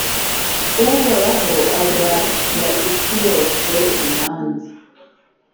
Uhoraho azacira isi yose imanza